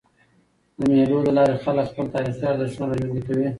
د مېلو له لاري خلک خپل تاریخي ارزښتونه راژوندي کوي.